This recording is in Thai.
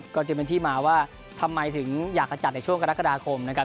ก็จึงเป็นที่มาว่าทำไมถึงอยากขจัดในช่วงกรกฎาคมนะครับ